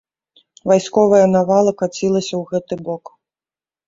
Вайсковая навала кацілася ў гэты бок.